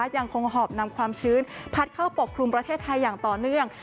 ยังคงหอบนำความชื้นพัดเข้าปกครุมประเทศไทยอย่างต่อเนื่อง